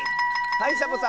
はいサボさん。